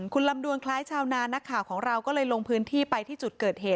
คุณลำดุแลนด์คล้ายชานานะคะของเราก็เลยลงพื้นที่ไปที่จุดเกิดเหตุ